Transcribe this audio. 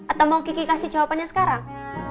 atau mau kiki kasih jawabannya sekarang